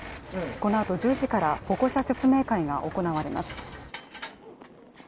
このあと１０時から保護者説明会が行われます。